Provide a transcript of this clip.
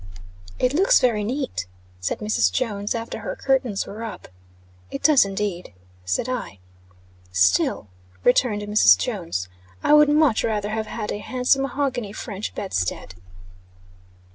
"It looks very neat," said Mrs. Jones, after her curtains were up. "It does, indeed," said I. "Still," returned Mrs. Jones, "I would much rather have had a handsome mahogany French bedstead."